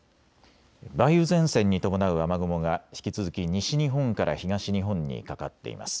梅雨前線に伴う雨雲が引き続き西日本から東日本にかかっています。